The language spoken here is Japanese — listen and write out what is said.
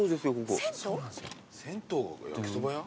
銭湯が焼きそば屋？